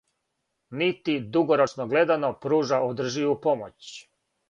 Нити, дугорочно гледано, пружа одрживу помоћ.